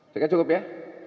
sekian cukup ya